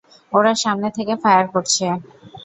ওরা সামনে থেকে ফায়ার করছে।